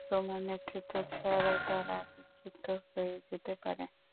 তোমার নেতৃত্ব ছাড়া তারা বিক্ষিপ্ত হয়ে যেতে পারে।